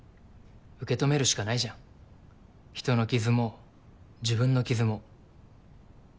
受け止めるしかないじゃん人の傷も自分の傷も。